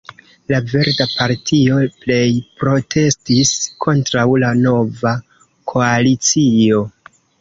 La Verda Partio plej protestis kontraŭ la nova koalicio.